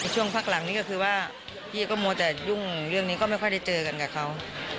ช่วงพักหลังนี้ก็คือว่าพี่ก็มัวแต่ยุ่งเรื่องนี้ก็ไม่ค่อยได้เจอกันกับเขา